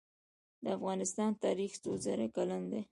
د افغانستان تاریخ څو زره کلن دی؟